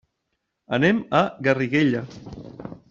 Anem a Garriguella.